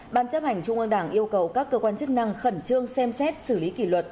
ban chấp hành trung ương đảng yêu cầu các cơ quan chức năng khẩn trương xem xét xử lý kỷ luật